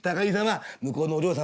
向こうのお嬢様